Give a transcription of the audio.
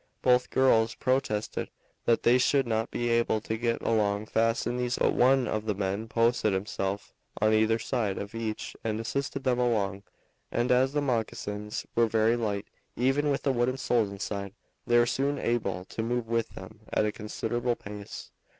Both girls protested that they should not be able to get along fast in these encumbrances, but one of the men posted himself on either side of each and assisted them along, and as the moccasins were very light, even with the wooden soles inside, they were soon able to move with them at a considerable pace.